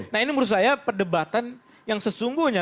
nah ini menurut saya perdebatan yang sesungguhnya